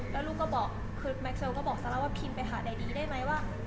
แล้วลูกก็บอกคือแม็กเซลก็บอกซาร่าว่าพิมพ์ไปหานายดีได้ไหมว่า